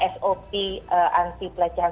sop anti pelecehan